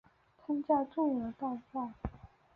参加中原大战。